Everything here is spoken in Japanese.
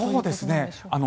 そうですね。